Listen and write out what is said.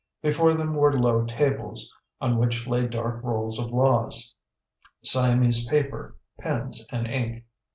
Before them were low tables, on which lay dark rolls of laws, Siamese paper, pens, and ink.